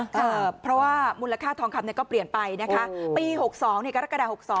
ค่ะเพราะว่ามูลค่าทองครรมก็เปลี่ยนไปนะคะปี๖๒ในการะกระดาษ๖๒